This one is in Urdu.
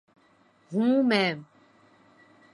ہوں میں